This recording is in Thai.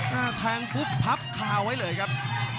แทงปุ๊บพับคาไว้เลยครับ